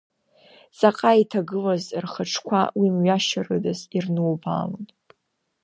Ҵаҟа иҭагылаз рхаҿқәа уи мҩашьарыда ирнубаалон.